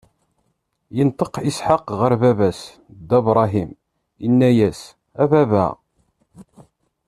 Inṭeq Isḥaq ɣer baba-s Dda Bṛahim, inna-as: A Baba!